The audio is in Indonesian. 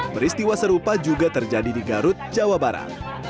peristiwa serupa juga terjadi di garut jawa barat